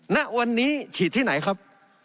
ณวันนี้ฉีดที่ไหนครับ